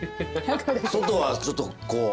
外はちょっとこう。